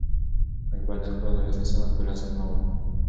موږ بايد د خپلو تاريخي سيمو پوره ساتنه وکړو.